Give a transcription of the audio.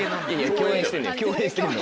共演してるの。